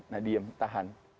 nah diem tahan